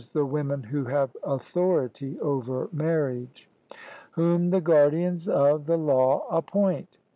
the women who have authority over marriage], whom the guardians of the law appoint.